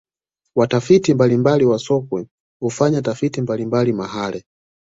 watafiti mbalimbali wa sokwe hufanya tafiti mbalimbali mahale